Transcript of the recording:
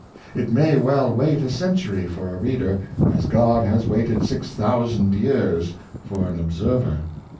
It may well wait a century for a reader, as God has waited six thousand years for an observer."